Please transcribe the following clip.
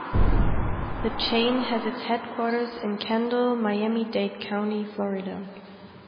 The chain has its headquarters in Kendall, Miami-Dade County, Florida.